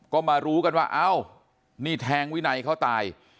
ก็มารู้กันว่าเอ้านี่แทงวินัยเขาตาย